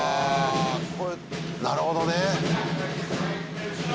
これなるほどね。